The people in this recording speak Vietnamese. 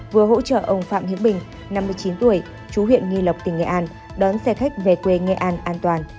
vừa hỗ trợ ông phạm hữu bình năm mươi chín tuổi chú huyện nghi lộc tỉnh nghệ an đón xe khách về quê nghệ an an toàn